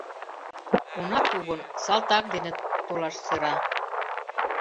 Она пу гын, салтак дене толаш сӧра.